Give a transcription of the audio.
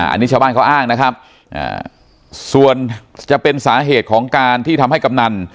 อันนี้ชาวบ้านเขาอ้างนะครับส่วนจะเป็นสาเหตุของการที่ทำให้กำนัน